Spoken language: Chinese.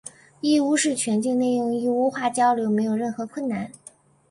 义乌市全境内用义乌话交流没有任何困难。